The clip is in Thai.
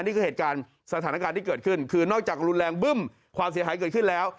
นี่คือเหตุการณ์สถานการณ์ที่เกิดขึ้นคือนอกจากรุนแรงบึ้มความเสียหายเกิดขึ้นแล้ว